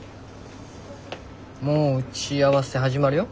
もう打ち合わせ始まるよ。